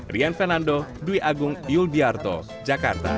rian fernando dwi agung yul biarto jakarta